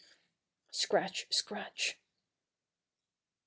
(Scratch, scratch.)